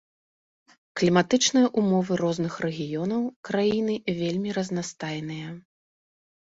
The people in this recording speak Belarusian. Кліматычныя ўмовы розных рэгіёнаў краіны вельмі разнастайныя.